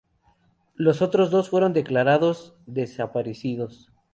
Los otros dos fueron declarados desaparecidos.